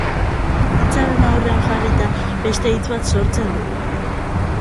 Hitzaren aurrean jarrita, beste hitz bat sortzen du.